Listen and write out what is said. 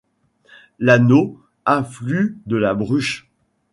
La Nau, affluent de la Bruche.